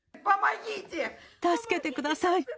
助けてください。